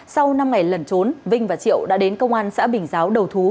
sau năm ngày lẩn trốn vinh và triệu đã đến công an xã bình giáo đầu thú